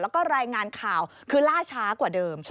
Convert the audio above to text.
แล้วก็รายงานข่าวคือล่าช้ากว่าเดิม